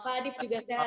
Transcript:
pak adit juga sehat